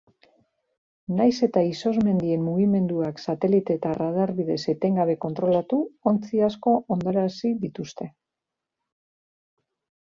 Nahiz eta izozmendien mugimenduak satelite eta radar bidez etengabe kontrolatu, ontzi asko hondarazi dituzte.